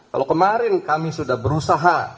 kalau kemarin kami sudah berusaha